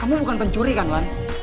kamu bukan pencuri kan kan